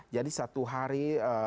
jadi satu hari